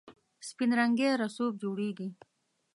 سپین رنګی رسوب جوړیږي.